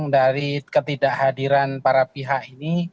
dari ketidakhadiran para pihak ini